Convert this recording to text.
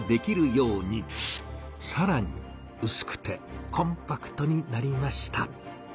さらにうすくてコンパクトになりました。